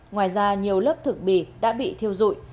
ngoài ra nhiều lớp thực bì đã bị thiêu dụi